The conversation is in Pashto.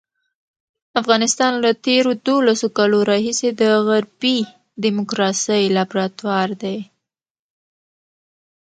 افغانستان له تېرو دولسو کالو راهیسې د غربي ډیموکراسۍ لابراتوار دی.